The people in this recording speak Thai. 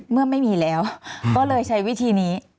เมื่อไม่มีแล้วก็เลยใช้วิธีนี้